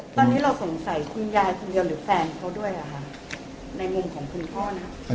ตอนนี้เราสงสัยคุณยายคนเดียวหรือแฟนเขาด้วยในมุมของคุณพ่อนะ